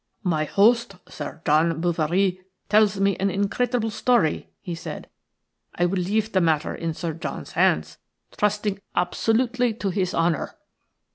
"My host, Sir John Bouverie, tells me an incredible story," he said. "I will leave the matter in Sir John's hands, trusting absolutely to his honour."